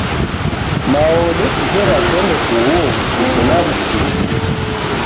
Mao odekuzera kwende kughuo wusiku na wusiku